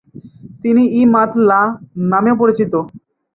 তিনি ই-মাত-লা নামেও পরিচিত।